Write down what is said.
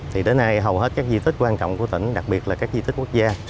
thì đến nay hầu hết các di tích quan trọng của tỉnh đặc biệt là các di tích quốc gia